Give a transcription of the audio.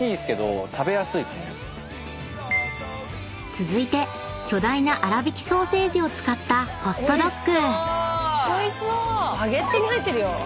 ［続いて巨大な粗挽きソーセージを使ったホットドッグ］